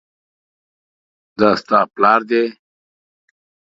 دا ستا پلار دی؟